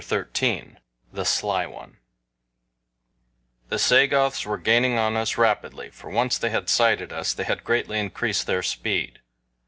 XIII THE SLY ONE THE SAGOTHS WERE GAINING ON US RAPIDLY, FOR once they had sighted us they had greatly increased their speed.